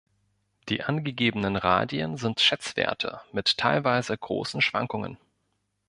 Die angegebenen Radien sind Schätzwerte mit teilweise großen Schwankungen.